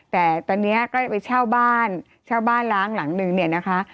แต่ตอนนี้ก็ไปเช่าบ้านเช่าบ้านล้างหลังนึงเนี่ยนะคะ